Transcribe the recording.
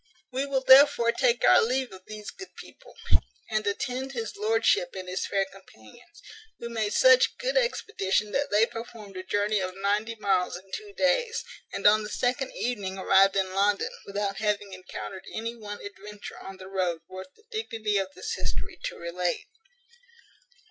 We will therefore take our leave of these good people, and attend his lordship and his fair companions, who made such good expedition that they performed a journey of ninety miles in two days, and on the second evening arrived in London, without having encountered any one adventure on the road worthy the dignity of this history to relate.